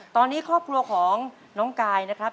ตอนนี้ครอบครัวของน้องกายนะครับ